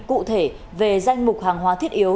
cụ thể về danh mục hàng hóa thiết yếu